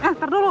eh ntar dulu